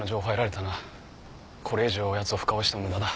これ以上やつを深追いしても無駄だ。